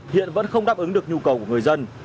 hiện vẫn không đáp ứng được nhu cầu của người dân